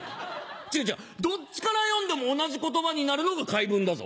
違う違うどっちから読んでも同じ言葉になるのが回文だぞ。